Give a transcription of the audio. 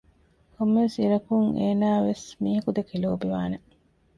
ކޮންމެވެސް އިރަކުން އޭނާވެސް މީހަކު ދެކެ ލޯބިވާނެ